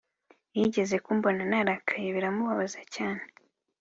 Yigeze kumbona narakaye biramubabaza cyane